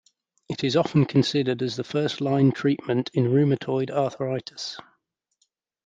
It is often considered as a first line treatment in rheumatoid arthritis.